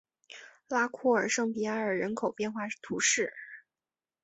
拉库尔圣皮埃尔人口变化图示